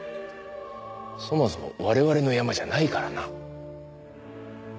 そもそも我々のヤマじゃないからな。